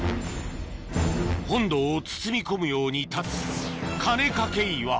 本堂を包み込むように立つ鐘掛け岩